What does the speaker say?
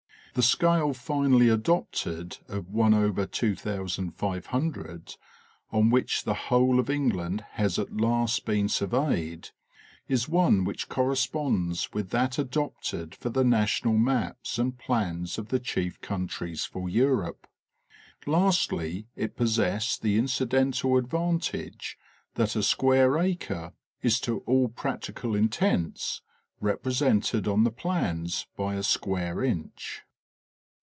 The scale finally adopted of 5,,, on which the whole of England has at last been surveyed, is one which corresponds with that adopted for the national maps and plans of the chief coun tries for Europe. Lastly it possessed the incidental advantage that a square acre is to all practical intents represented on the plans by a square inch..